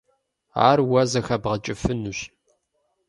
Ар уэ зэхэбгъэкӀыфынущ.